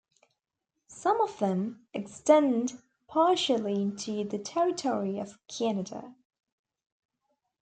Some of them, extend partially into the territory of Canada.